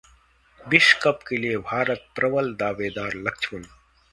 विश्व कप के लिए भारत प्रबल दावेदार: लक्ष्मण